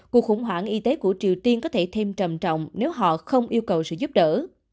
cuộc khủng hoảng y tế của triều tiên có thể thêm trầm trọng nếu họ không yêu cầu sự giúp đỡ